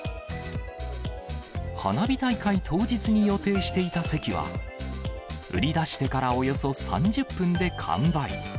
花火大会当日に予定していた席は、売り出してからおよそ３０分で完売。